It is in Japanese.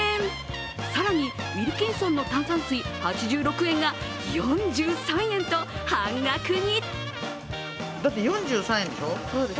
更に、ウィルキンソンの炭酸水８６円が４３円と半額に。